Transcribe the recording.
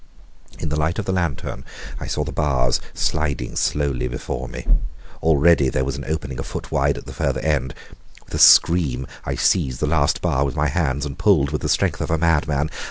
In the light of the lantern I saw the bars sliding slowly before me. Already there was an opening a foot wide at the farther end. With a scream I seized the last bar with my hands and pulled with the strength of a madman.